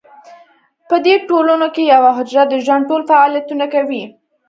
په دې ټولنو کې یوه حجره د ژوند ټول فعالیتونه کوي.